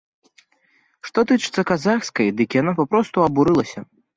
Што тычыцца казахскай, дык яна папросту абурылася.